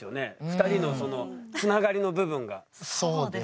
２人のつながりの部分が。